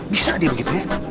bisa dia begitu ya